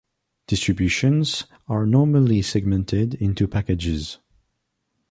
Distributions are normally segmented into "packages".